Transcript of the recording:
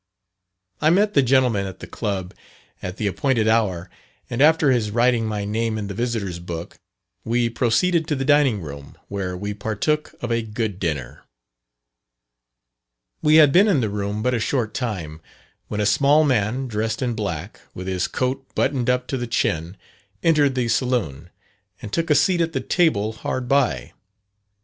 I met the gentleman at the Club, at the appointed hour, and after his writing my name in the visitors' book, we proceeded to the dining room, where we partook of a good dinner. We had been in the room but a short time, when a small man, dressed in black, with his coat buttoned up to the chin, entered the saloon, and took a seat at the table hard by.